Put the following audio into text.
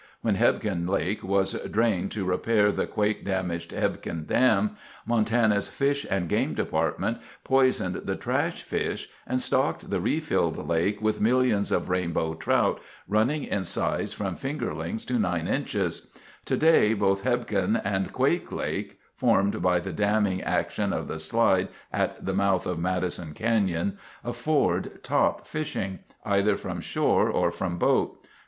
While Hebgen Lake was drained to repair the quake damaged Hebgen Dam, Montana's Fish and Game Department poisoned the trash fish and stocked the refilled lake with millions of rainbow trout running in size from fingerlings to 9 inchers. Today both Hebgen and Quake Lake—formed by the damming action of the slide at the mouth of Madison Canyon, afford top fishing, either from shore or from boat.